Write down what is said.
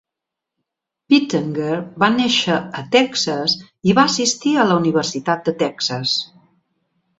Pittenger va néixer a Texas i va assistir a la Universitat de Texas.